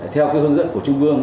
theo hướng dẫn của trung ương